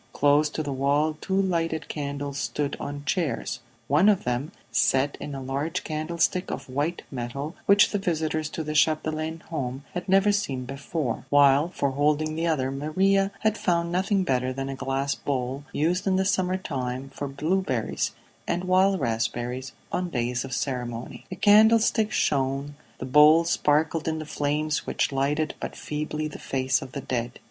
Close to the wall two lighted candles stood on chairs; one of them set in a large candlestick of white metal which the visitors to the Chapdelaine home had never seen before, while for holding the other Maria had found nothing better than a glass bowl used in the summer time for blueberries and wild raspberries, on days of ceremony. The candlestick shone, the bowl sparkled in the flames which lighted but feebly the face of the dead.